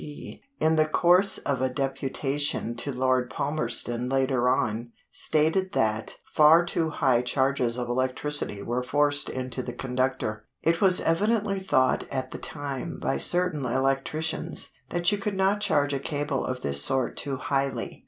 P.), in the course of a deputation to Lord Palmerston later on, stated that "far too high charges of electricity were forced into the conductor. It was evidently thought at that time by certain electricians that you could not charge a cable of this sort too highly.